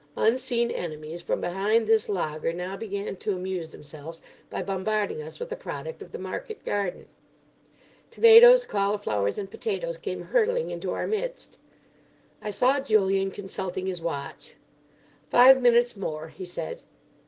Unseen enemies from behind this laager now began to amuse themselves by bombarding us with the product of the market garden. Tomatoes, cauliflowers, and potatoes came hurtling into our midst. I saw Julian consulting his watch. "Five minutes more," he said.